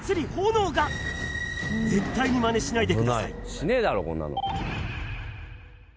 しねえだろこんなの。